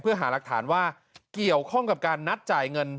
เพื่อหารักฐานว่าเกี่ยวข้องกับการนัดจ่ายเงิน